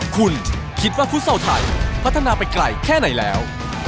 คุณคิดว่าฟุตซอลไทยพัฒนาไปไกลแค่ไหนแล้ว